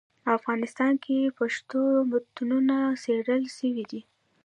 افغانستان کي پښتو متونو څېړل سوي دي.